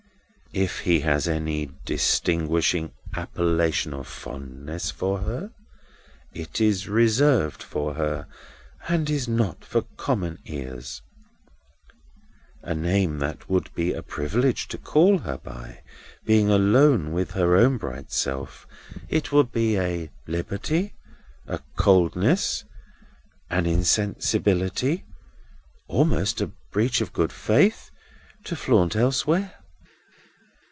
If he has any distinguishing appellation of fondness for her, it is reserved for her, and is not for common ears. A name that it would be a privilege to call her by, being alone with her own bright self, it would be a liberty, a coldness, an insensibility, almost a breach of good faith, to flaunt elsewhere."